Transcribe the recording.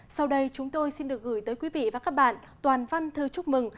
sau đây chúng tôi xin được gửi tới quý vị và các bạn toàn văn thư chúc mừng